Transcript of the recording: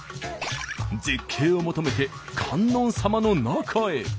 絶景を求めて観音様の中へ。